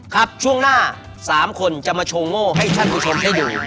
ครับช่วงหน้า๓คนจะมาโชว์โง่ให้ท่านผู้ชมได้ดู